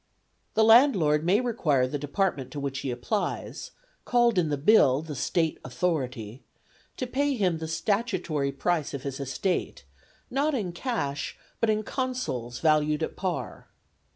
The landlord may require the department to which he applies (called in the Bill the State Authority) to pay him the statutory price of his estate, not in cash, but in consols valued at par.